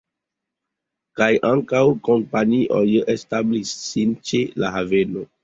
Kaj ankaŭ kompanioj establis sin ĉe la haveno.